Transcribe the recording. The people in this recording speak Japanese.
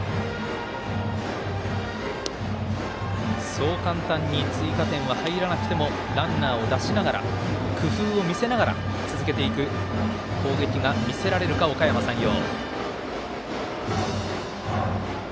そう簡単に追加点は入らなくてもランナーを出しながら工夫を見せながら続けていく攻撃が見せられるかおかやま山陽。